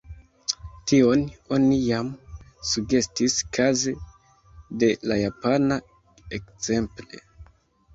Tion oni jam sugestis kaze de la japana, ekzemple.